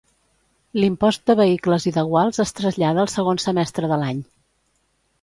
L'impost de vehicles i de guals es trasllada al segon semestre de l'any.